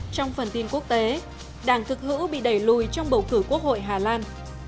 trong phần tin quốc tế đảng cực hữu bị đẩy lùi trong bầu cử quốc hội hà lan